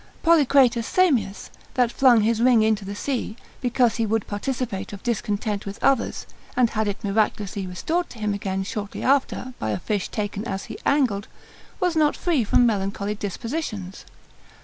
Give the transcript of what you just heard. Polycrates Samius, that flung his ring into the sea, because he would participate of discontent with others, and had it miraculously restored to him again shortly after, by a fish taken as he angled, was not free from melancholy dispositions.